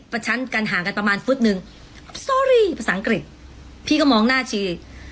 ชั้นกันห่างกันประมาณฟุตหนึ่งซอรี่ภาษาอังกฤษพี่ก็มองหน้าชี